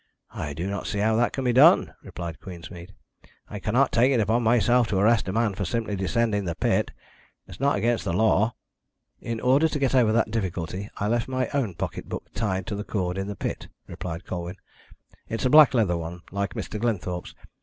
"I do not see how that can be done," replied Queensmead. "I cannot take upon myself to arrest a man simply for descending the pit. It's not against the law." "In order to get over that difficulty I left my own pocket book tied to the cord in the pit," replied Colwyn. "It's a black leather one, like Mr. Glenthorpe's.